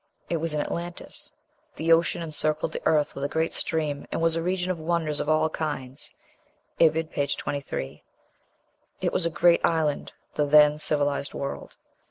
It was in Atlantis. "The ocean encircled the earth with a great stream, and was a region of wonders of all kinds." (Ibid., p. 23.) It was a great island, the then civilized world.